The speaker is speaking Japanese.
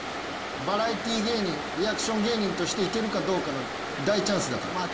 バラエティー芸人リアクション芸人として行けるかどうかの大チャンスだから。